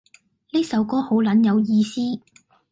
呢首歌好撚有意思